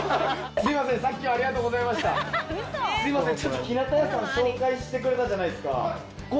すいません「ヒナタ屋」さん紹介してくれたじゃないですか。